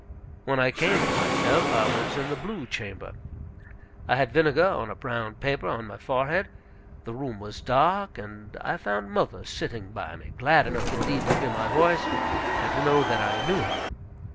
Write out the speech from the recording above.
When I came to myself I was in the blue chamber; I had vinegar on a brown paper on my forehead; the room was dark, and I found mother sitting by me, glad enough indeed to hear my voice, and to know that I knew her.